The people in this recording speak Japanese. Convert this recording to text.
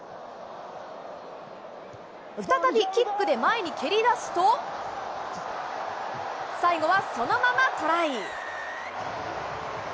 再びキックで前に蹴り出すと、最後はそのままトライ！